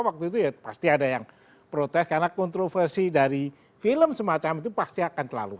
waktu itu ya pasti ada yang protes karena kontroversi dari film semacam itu pasti akan terlalu